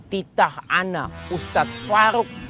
titah anak ustadz farukh